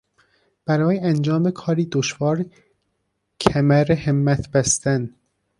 برای انجام کاری دشوار کمرهمت بستن